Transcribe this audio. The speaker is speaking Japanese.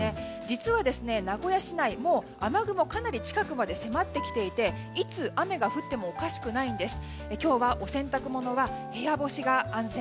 実は名古屋市内もう雨雲がかなり近くまで迫ってきていていつ雨が降ってもおかしくないんです。